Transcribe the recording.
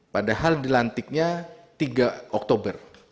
padahal dilantiknya tiga oktober